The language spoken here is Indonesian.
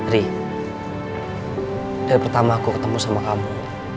ri dari pertama kau ketemu sama kamu